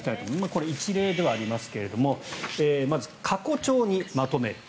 これは一例ではありますがまず、過去帳にまとめる。